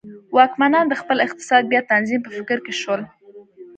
واکمنان د خپل اقتصاد بیا تنظیم په فکر کې شول.